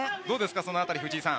その辺り、藤井さん